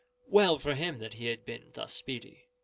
Well for him that he had been thus speedy.